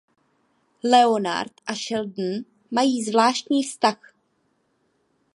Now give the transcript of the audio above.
Leonard a Sheldon mají zvláštní vztah.